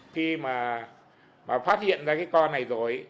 khi mà phát hiện ra cái con này rồi